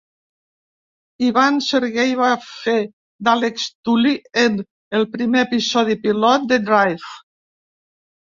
Ivan Sergei va fer d'Alex Tully en el primer episodi pilot de "Drive".